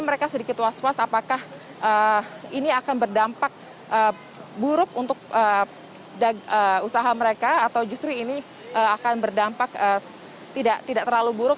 mereka sedikit was was apakah ini akan berdampak buruk untuk usaha mereka atau justru ini akan berdampak tidak terlalu buruk